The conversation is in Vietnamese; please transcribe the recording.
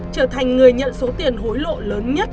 trở thành người nhận số tiền hối lộ lớn nhất